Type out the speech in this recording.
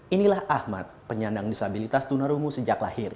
inilah ahmad penyandang disabilitas tunarungu sejak lahir